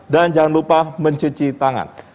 dan jangan lupa mencuci tangan